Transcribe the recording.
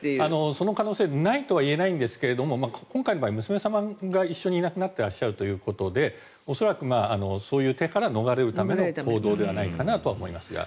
その可能性はないとは言えないんですが今回の場合は娘さんが一緒にいなくなっていらっしゃるということで恐らくそういう手から逃れるための行動ではないかと思いますが。